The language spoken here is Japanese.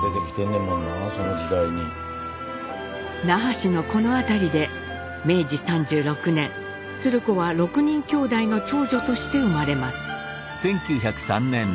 那覇市のこの辺りで明治３６年鶴子は６人きょうだいの長女として生まれます。